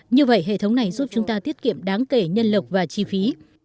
như vậy hệ thống này giúp chúng ta tiết kiệm đáng kể nhân lực và chi phí